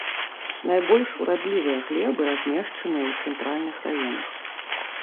Найбольш урадлівыя глебы размешчаныя ў цэнтральных раёнах.